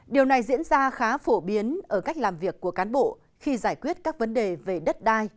điều này diễn ra khá phổ biến ở cách làm việc của cán bộ khi giải quyết các vấn đề về đất đai